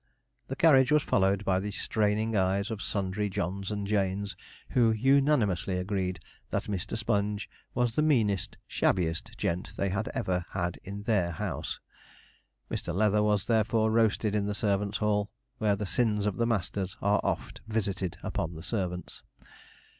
The carriage was followed by the straining eyes of sundry Johns and Janes, who unanimously agreed that Mr. Sponge was the meanest, shabbiest gent they had ever had in their house. Mr. Leather was, therefore, roasted in the servants' hall, where the sins of the masters are oft visited upon the servants.